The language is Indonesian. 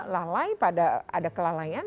lalai pada ada kelalaian